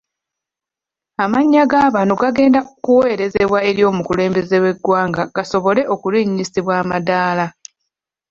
Amannya ga bano gagenda kuweerezebwa eri omukulembeze w'eggwanga basobole okulinnyisibwa amadaala.